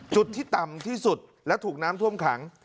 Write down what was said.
จุดที่ต่ำที่สุดและถูกน้ำท่วมขัง